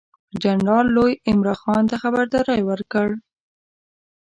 جنرال لو عمرا خان ته خبرداری ورکړ.